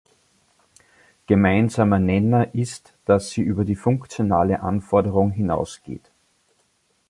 Gemeinsamer Nenner ist, dass sie über die funktionale Anforderung hinaus geht.